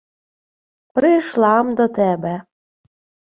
— Прийшла-м до тебе...